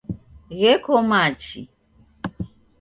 Gheko machi.